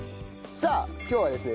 さあ今日はですね